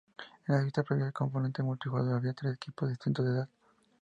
En las vistas previas del componente multijugador, había tres tipos distintos de Edad.